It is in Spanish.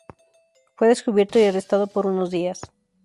Fue descubierto y arrestado por unos días.